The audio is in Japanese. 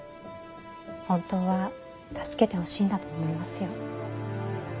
本当は助けてほしいんだと思いますよ。